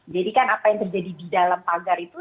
jadi kan apa yang terjadi di dalam pagar itu